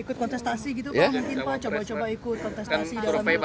ikut kontestasi gitu pak mungkin pak coba coba ikut kontestasi dalam pilpres